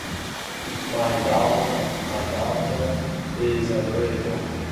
My daughter is adorable